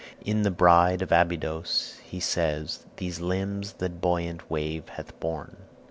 In the "Bride of Abydos" he says, "These limbs that buoyant wave hath borne."